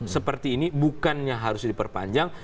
seperti ini bukannya harus diperpanjang